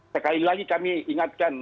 sekali lagi kami ingatkan